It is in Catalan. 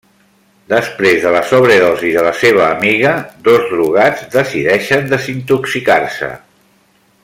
Després de la sobredosi de la seva amiga, dos drogats decideixen desintoxicar-se.